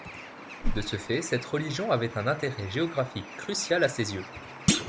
De ce fait cette région avait un intérêt géographique crucial à ses yeux.